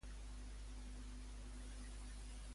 Què s'apreciava des de l'edifici religiós?